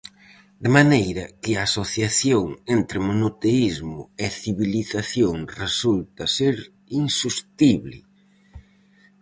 De maneira que a asociación entre monoteísmo e civilización resulta ser insostible.